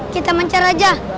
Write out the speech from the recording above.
kita mencar aja